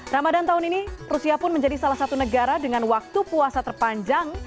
ramadan tahun ini rusia pun menjadi salah satu negara dengan waktu puasa terpanjang